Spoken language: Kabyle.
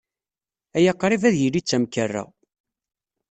Aya qrib ad yili d tamkerra.